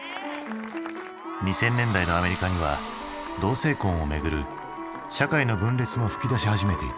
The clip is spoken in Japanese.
２０００年代のアメリカには同性婚をめぐる社会の分裂も噴き出し始めていた。